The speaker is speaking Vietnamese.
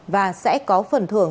và sẽ có phần thưởng